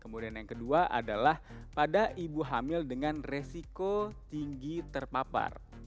kemudian yang kedua adalah pada ibu hamil dengan resiko tinggi terpapar